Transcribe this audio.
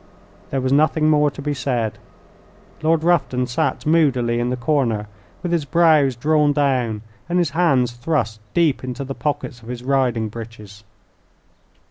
There was nothing more to be said. Lord Rufton sat moodily in the corner with his brows drawn down and his hands thrust deep into the pockets of his riding breeches.